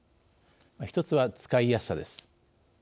一つは使いやすさです。